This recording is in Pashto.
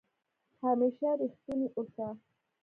همېشه ریښتونی اوسه